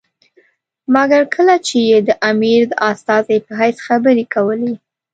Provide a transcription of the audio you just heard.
مګر کله چې یې د امیر د استازي په حیث خبرې کولې.